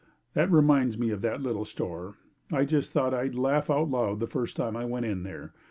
That reminds me of that little store. I just thought I'd laugh out loud the first time I went in there.